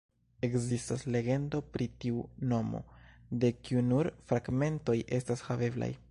Ekzistas legendo pri tiu nomo, de kiu nur fragmentoj estas haveblaj.